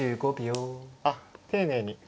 あっ丁寧に。